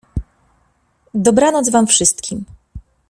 — Dobranoc wam wszystkim!